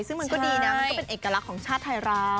ซึ่งมันก็ดีนะมันก็เป็นเอกลักษณ์ของชาติไทยเรา